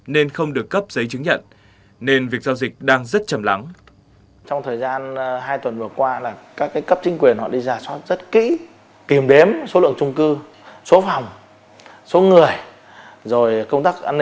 nên không được cấp giấy chứng nhận